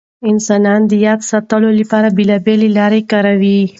انسانان د یاد ساتلو لپاره بېلابېل لارې کاروي.